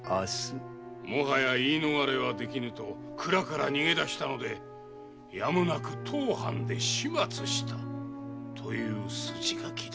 もはや言い逃れはできぬと蔵から逃げ出したのでやむなく当藩で始末したという筋書きだ。